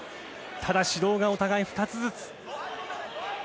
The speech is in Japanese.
ただ、指導がお互い２つずつ。